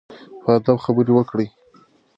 په ادب خبرې وکړئ.